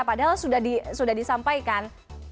padahal sudah disampaikan